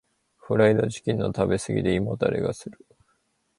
フライドチキンの食べ過ぎで胃もたれがする。